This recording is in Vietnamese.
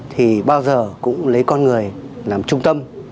thì bao giờ cũng lấy con người làm trung tâm